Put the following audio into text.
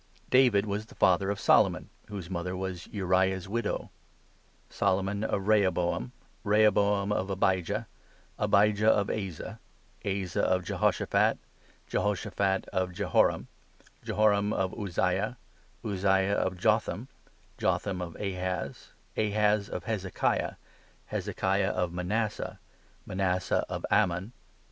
6 David was the father of Solomon, whose mother was Uriah's widow, Solomon of Rehoboam, 7 Rehoboam of Abijah, Abijah of Asa, Asa of Jehoshaphat, 8 Jehoshaphat of Jehoram, Jehoram of Uzziah, Uzziah of Jotham, 9 Jotham of Ahaz, Ahaz of Hezekiah, Hezekiah of Manasseh, 10 Manasseh of Ammon, 1 Ps.